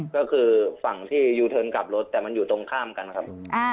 ก็คือฝั่งที่ยูเทิร์นกลับรถแต่มันอยู่ตรงข้ามกันครับ